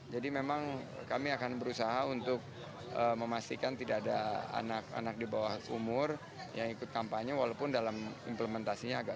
memang kami akan berusaha untuk memastikan tidak ada anak anak di bawah umur yang ikut kampanye walaupun dalam implementasinya agak